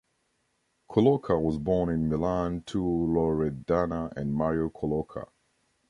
Colloca was born in Milan to Loredana and Mario Colloca.